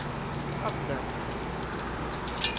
Aẓ-d ar da!